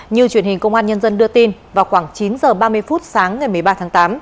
như truyền hình công an nhân dân đưa tin vào khoảng chín h ba mươi phút sáng ngày một mươi ba tháng tám